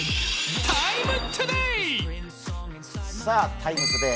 「ＴＩＭＥ，ＴＯＤＡＹ」